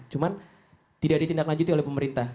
cuman tidak ada tindak lanjuti oleh pemerintah